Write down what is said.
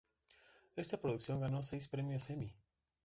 Esta producción ganó seis Premios Emmy.